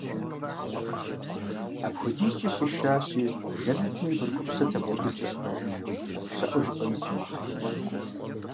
Апхуэдизкӏэ сешащи Жэнэтым и курыкупсэр лъэбакъуиткӏэ спэжыжэу щыӏэу жыпӏэми зызмыгъэхъеин.